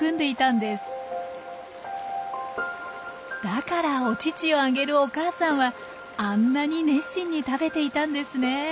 だからお乳をあげるお母さんはあんなに熱心に食べていたんですね。